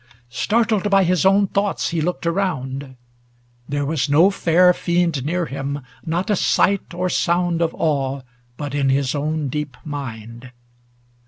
Startled by his own thoughts, he looked around. There wa┬Ż no fair fiend near him, not a sight Or sound of awe but in his own deep mind.